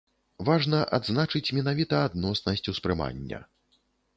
Важна адзначыць менавіта адноснасць успрымання.